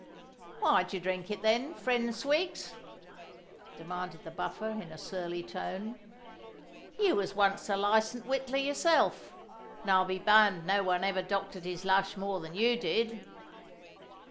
"Why do you drink it, then, friend Swiggs?" demanded the Buffer, in a surly tone. "You was once a licensed witler yourself: and I'll be bound no one ever doctored his lush more than you did."